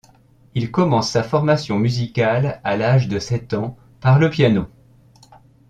Il commence sa formation musicale à l'âge de sept ans, par le piano.